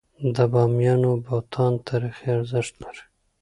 د بامیانو بتان تاریخي ارزښت لري.